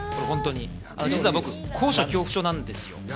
実は僕、高所恐怖症なんですよ。